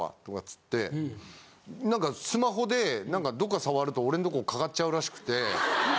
なんかスマホでどっか触ると俺んとこかかっちゃうらしくて。